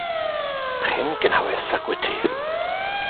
Yr hen gnawes ag wyt ti.